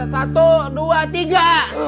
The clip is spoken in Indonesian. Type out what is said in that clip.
satu dua tiga